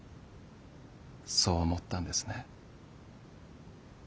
そう思ったんですね？